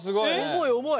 重い重い。